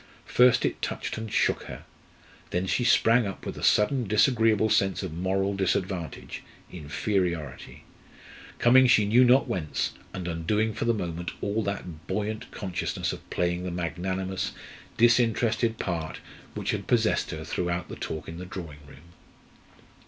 First it touched and shook her; then she sprang up with a sudden disagreeable sense of moral disadvantage inferiority coming she knew not whence, and undoing for the moment all that buoyant consciousness of playing the magnanimous, disinterested part which had possessed her throughout the talk in the drawing room.